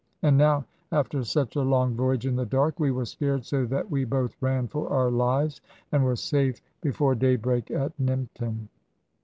And now after such a long voyage in the dark, we were scared so that we both ran for our lives, and were safe before daybreak at Nympton.